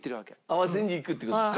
合わせにいくって事ですね。